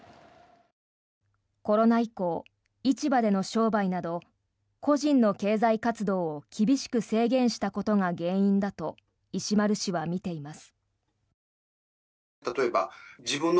コロナ以降、市場での商売など個人の経済活動を厳しく制限したことが原因だと石丸氏は見ています。